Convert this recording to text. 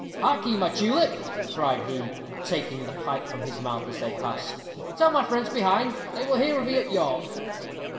"Harkee, my tulip," cried he, taking the pipe from his mouth as he passed, "tell my friends behind they will hear of me at York."